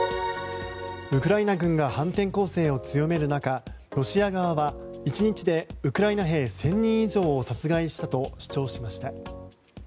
ウクライナ軍が反転攻勢を強める中ロシア側は、１日でウクライナ兵１０００人以上を殺害したと主張しました。